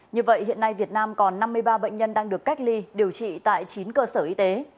như vậy hiện nay việt nam còn năm mươi ba bệnh nhân đang được cách ly điều trị tại chín cơ sở y tế